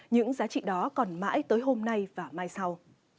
những giá trị đó còn mãi tới hôm nay và mai sau